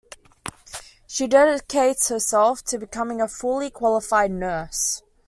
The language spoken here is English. She dedicates herself to becoming a fully qualified nurse.